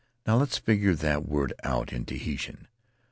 Now let's figure that word out in Tahitian.